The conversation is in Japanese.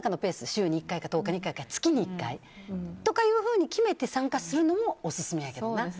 週に１回か１０日に１回か月に１回とかいうふうに決めて参加するのもオススメやけどな。